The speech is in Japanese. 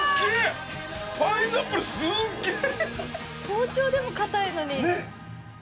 包丁でもかたいのに。